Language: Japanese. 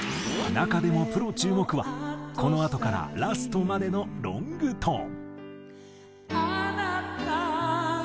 中でもプロ注目はこのあとからラストまでのロングトーン。